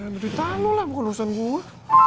beritahulah bukan urusan gua